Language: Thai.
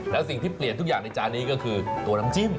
แล้วสิ่งที่เปลี่ยนทุกอย่างในจานนี้ก็คือตัวน้ำจิ้ม